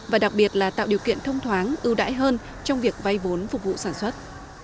và đặc biệt là tạo điều kiện thông thoáng ưu đãi hơn trong việc vay vốn phục vụ sản xuất